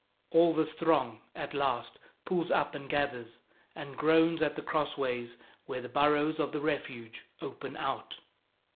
All this throng at last pulls up and gathers and groans at the crossways where the burrows of the Refuge open out.